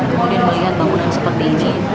kemudian melihat bangunan seperti ini